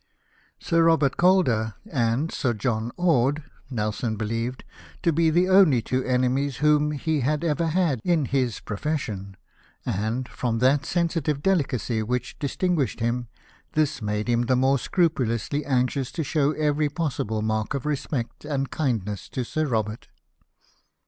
Sir Robert Calder, and Sir John Orde, Nelson believed to be the only two enemies whom he had ever had in his profession ; and, from that sensitive delicacy which distinguished him, this made him the more scrupu lously anxious to show every possible mark of respect and kindness to Sir Robert.